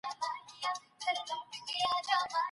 د ازموینو د پارچو کتلو لپاره کوم ځانګړي کمیسیونونه شتون لري؟